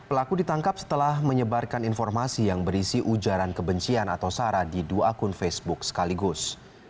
pelaku ditangkap setelah menyebarkan informasi yang berisi ujaran kebencian atau sara di dua akun facebook sekaligus